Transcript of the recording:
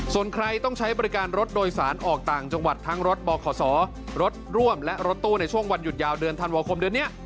ส่วนใครต้องใช้บริการรถโดยสารออกต่างจังหวัดทั้งรถบขรถร่วมและรถตู้ในช่วงวันหยุดยาวเดือนธันวาคมเดือนนี้